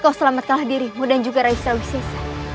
kau selamatkan dirimu dan juga raik selalu siasat